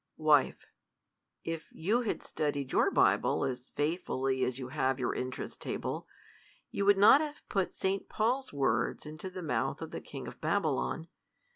Wife, If you had studied your Bible as faithfully as you have your interest table, you would not have put St. Paul's words into the mouth of the king of Babylon.